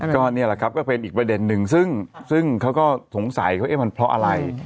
ก็นี่แหละครับก็เป็นอีกประเด็นหนึ่งซึ่งเขาก็สงสัยมันเพราะอะไร